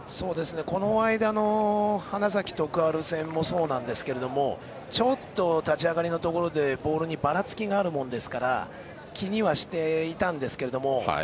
この間の、花咲徳栄戦もそうなんですけどちょっと立ち上がりのところでボールにばらつきがあるもんですから気にはしていたんですけど。